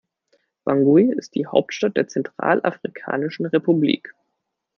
Bangui ist die Hauptstadt der Zentralafrikanischen Republik.